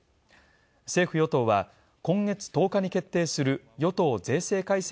政府与党は今月１０日に決定する与党税制改正